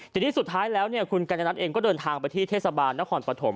ทีนี้สุดท้ายแล้วคุณกัญญนัทเองก็เดินทางไปที่เทศบาลนครปฐม